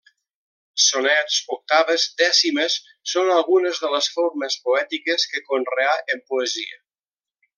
Sonets, octaves, dècimes són algunes de les formes poètiques que conreà en poesia.